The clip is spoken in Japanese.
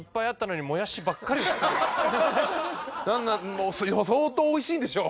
もう相当美味しいんでしょう。